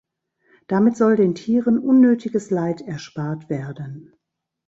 Damit soll den Tieren unnötiges Leid erspart werden.